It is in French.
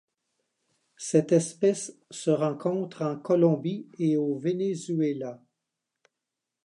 Cette espèce se rencontre en Colombie et au Venezuela.